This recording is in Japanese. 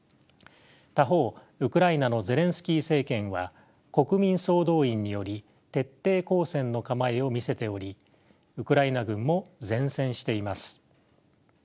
他方ウクライナのゼレンスキー政権は国民総動員により徹底抗戦の構えを見せておりウクライナ軍も善戦しています。